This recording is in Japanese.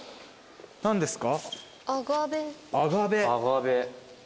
何ですか？